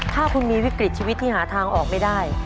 ถ้าคุณมีวิกฤตชีวิตที่หาทางออกไม่ได้